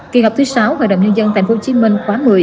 kỳ họp thứ sáu hội đồng nhân dân tp hcm khóa một mươi